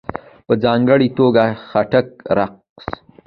په ځانګړې توګه ..خټک رقص..